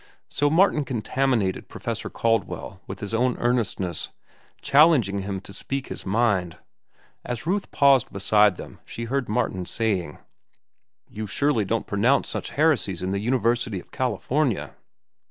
So Martin contaminated Professor Caldwell with his own earnestness, challenging him to speak his mind. As Ruth paused beside them she heard Martin saying: "You surely don't pronounce such heresies in the University of California?"